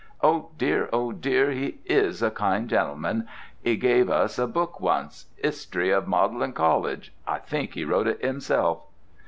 Oh, dear, Oh, dear, 'e is a kind gentleman! 'E gave us a book once—''Istory of Magdalen College,' I think he wrote it 'imself."